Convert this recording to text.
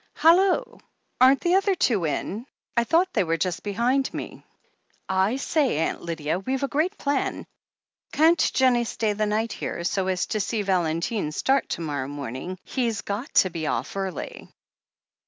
"Hallo, aren't the other two in? I thought they were just behind me. I say. Aunt Lydia, we've a great plan. Can't Jennie stay the night here, so as to see THE HEEL OF ACHILLES 363 Valentine start to morrow morning? He's got to be off early."